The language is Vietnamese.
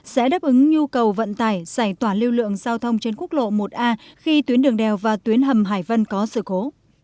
sẽ đáp ứng nhu cầu vận tải giải tỏa lưu lượng giao thông trên quốc lộ một a khi tuyến đường đèo và tuyến hầm hải vân có sự cố